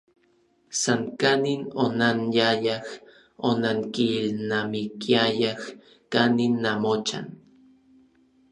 San kanin onanyayaj, onankilnamikiayaj kanin namochan.